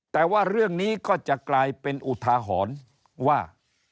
แต่ว่าเรื่องนี้ก็จะกลายเป็นอุทาหรณ์ว่า